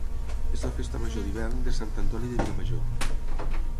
És la festa Major d'hivern de Sant Antoni de Vilamajor